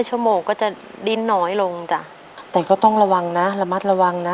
ชั่วโมงก็จะดิ้นน้อยลงจ้ะแต่ก็ต้องระวังนะระมัดระวังนะ